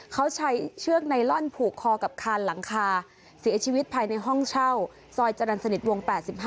เขาใช้เชือกไนลอนผูกคอกับคานหลังคาเสียชีวิตภายในห้องเช่าซอยจรรย์สนิทวง๘๕